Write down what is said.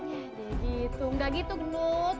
ya deh gitu ga gitu genug